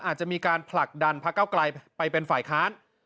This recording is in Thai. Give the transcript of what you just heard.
อาจจะมีการผลักดันพระเก้าไกลไปเป็นฝ่ายค้าน